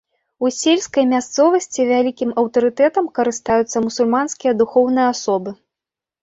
У сельскай мясцовасці вялікім аўтарытэтам карыстаюцца мусульманскія духоўныя асобы.